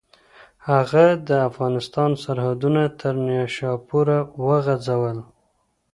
هغه د افغانستان سرحدونه تر نیشاپوره وغځول.